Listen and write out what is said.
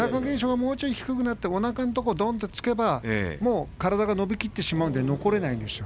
もう少し低くなっておなかのところをどんと突けばもう体が伸びきってしまうので残れないんですよ。